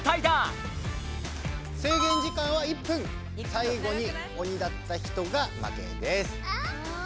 最後におにだった人が負けです。